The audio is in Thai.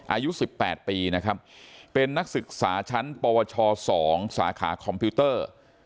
อายุ๑๘ปีนะครับเป็นนักศึกษาชั้นปวช๒สาขาคอมพิวเตอร์